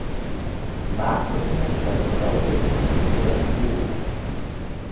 Marktöffnung ist eine Voraussetzung für Globalisierung.